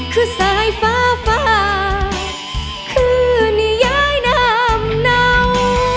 คือสายฟ้าฟ้าคือนิยายน้ำเนา